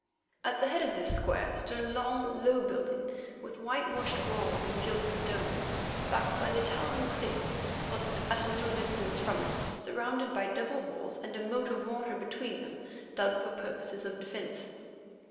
At the head of this square stood a long, low building with white washed walls and gilded domes, backed by the towering cliff, but at a little distance from it, and surrounded by double walls with a moat of water between them, dug for purposes of defence.